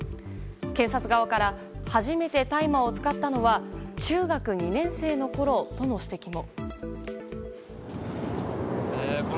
検察側から初めて大麻を使ったのは中学２年生のころという指摘も。